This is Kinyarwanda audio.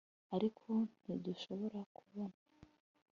ariko ntidushobora kubona